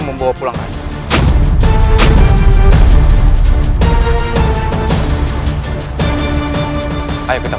masuklah ke dalam